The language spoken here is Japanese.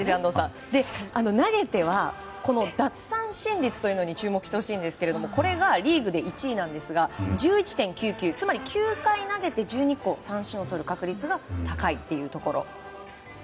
投げては、奪三振率というのに注目してほしいんですがこれがリーグで１位なんですが１１．９９つまり９回投げて１２個三振をとる確率が高いというところ。